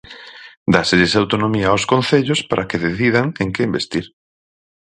Dáselles autonomía aos concellos para que decidan en que investir.